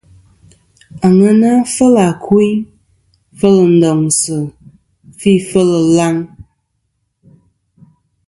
Aŋena fel àkuyn, fel ndoŋsɨ̀, fi fel ɨlaŋ.